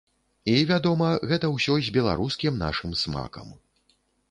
І, вядома, гэта ўсё з беларускім нашым смакам.